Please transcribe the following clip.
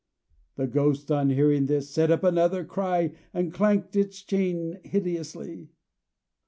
The Ghost, on hearing this set up another cry, and clanked its chain hideously.